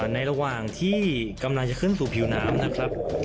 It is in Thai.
ในระหว่างที่กำลังจะขึ้นสู่ผิวน้ำนะครับ